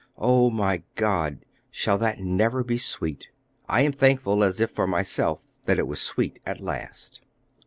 O my God! shall that never be sweet?' I am thankful, as if for myself, that it was sweet at last."